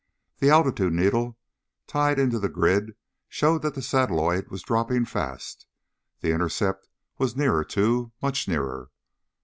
The altitude needle tied into the grid showed that the satelloid was dropping fast. The intercept was nearer, too. Much nearer.